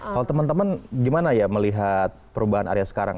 kalau teman teman gimana ya melihat perubahan area sekarang